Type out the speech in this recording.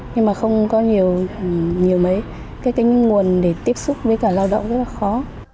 nhưng mà không có nhiều mấy cái nguồn để tiếp xúc với cả lao động rất là khó